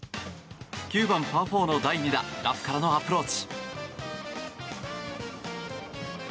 ９番、パー４の第２打ラフからのアプローチ。